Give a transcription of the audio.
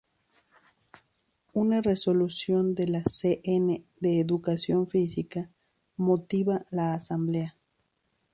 Una resolución de la C. N. de Educación Física, motiva la Asamblea.